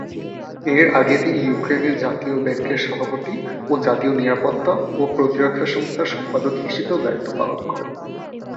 এর আগে তিনি ইউক্রেনের জাতীয় ব্যাংকের সভাপতি ও জাতীয় নিরাপত্তা ও প্রতিরক্ষা সংস্থার সম্পাদক হিসেবেও দায়িত্ব পালন করেন।